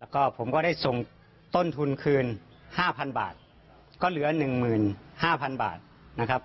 แล้วก็ผมก็ได้ส่งต้นทุนคืนห้าพันบาทก็เหลือหนึ่งหมื่นห้าพันบาทนะครับ